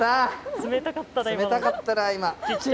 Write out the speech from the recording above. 冷たかったな今の。